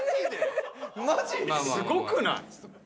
マジ⁉すごくない？